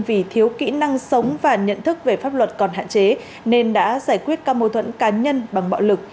vì thiếu kỹ năng sống và nhận thức về pháp luật còn hạn chế nên đã giải quyết các mô thuẫn cá nhân bằng bạo lực